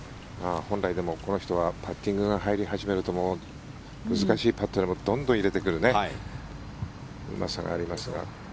本来、この人はパッティングが入り始めると難しいパットでもどんどん入れてくるうまさがありますが。